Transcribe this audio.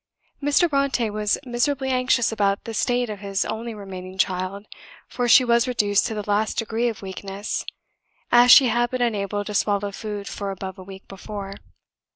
Mr. Brontë was miserably anxious about the state of his only remaining child, for she was reduced to the last degree of weakness, as she had been unable to swallow food for above a week before.